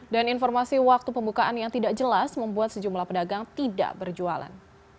dan informasi waktu pembukaan yang tidak jelas membuat sejumlah pedagang tidak berjualan